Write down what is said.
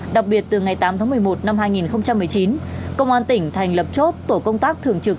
đặc biệt từ ngày tám tháng một mươi một năm hai nghìn một mươi chín công an tỉnh thành lập chốt tổ công tác thường trực